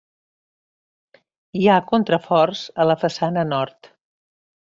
Hi ha contraforts a la façana nord.